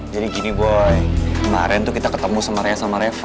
jadi gini boy kemaren tuh kita ketemu sama raya sama reva